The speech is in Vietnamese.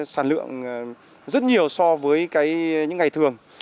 sản lượng rất nhiều so với những ngày thường